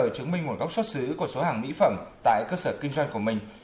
chứng minh nguồn gốc xuất xứ của số hàng mỹ phẩm tại cơ sở kinh doanh của mình